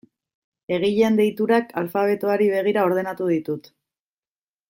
Egileen deiturak alfabetoari begira ordenatu ditut.